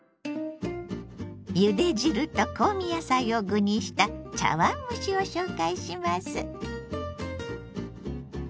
ゆで汁と香味野菜を具にした茶碗蒸しを紹介します。